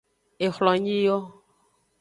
Ehlonyi yo.